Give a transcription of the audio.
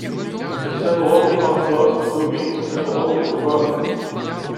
Ce syndrome est parfois nommé syndrome de Guam.